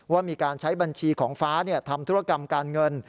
ว่ามีการใช้บัญชีของฟ้าทำธุรกรรมการเงิน